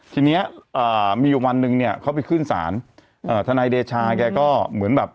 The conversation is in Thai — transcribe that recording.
ทีเนี้ยอ่ามีอยู่วันหนึ่งเนี่ยเขาไปขึ้นศาลเอ่อทนายเดชาแกก็เหมือนแบบ